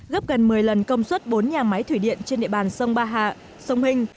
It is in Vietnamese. gấp gần một mươi lần công suất bốn nhà máy thủy điện trên địa bàn sông ba hạ sông hình